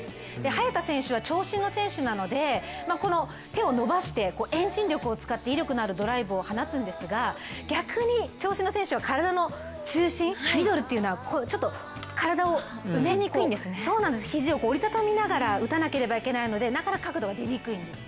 早田選手は長身の選手なので、手を伸ばして、遠心力を使って威力のあるドライブを放つんですが、逆に、長身の選手は体の中心、ミドルっていうのはちょっと肱を折り畳みながら打たなければならないので、なかなか角度が出にくいんです。